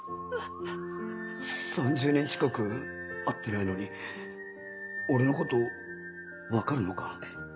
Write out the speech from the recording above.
３０年近く会ってないのに俺のこと分かるのか？